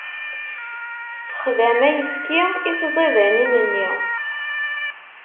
Tessexdam ayefki i tẓidanin-nni.